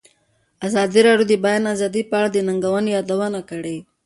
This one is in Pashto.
ازادي راډیو د د بیان آزادي په اړه د ننګونو یادونه کړې.